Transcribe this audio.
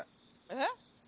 えっ？